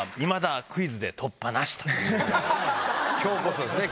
今日こそですね